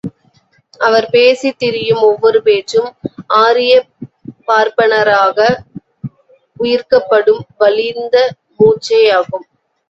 அவர் பேசித் திரியும் ஒவ்வொரு பேச்சும் ஆரியப் பார்ப்பனர்க்காக உயிர்க்கப்படும் வலிந்த மூச்சே யாகும்.